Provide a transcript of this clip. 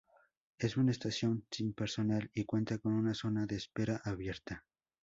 Es una estación sin personal y cuenta con una zona de espera abierta.